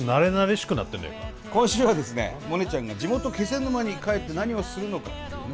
今週はですねモネちゃんが地元気仙沼に帰って何をするのかっていうね